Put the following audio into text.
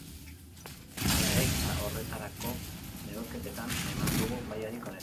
Hala ere, gisa horretako neurketetan eman dugu mailarik onena.